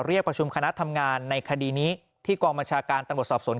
เรียกประชุมคณะทำงานในคดีนี้ที่กองบัญชาการตำรวจสอบสวน